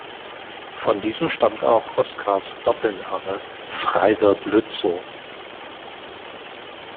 Von diesem stammt auch Oskars Doppelname Freiwirth-Lützow.